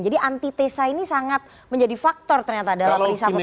jadi anti tesa ini sangat menjadi faktor ternyata dalam perisian pertanian